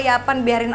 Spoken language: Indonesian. ya tante dewi edik aja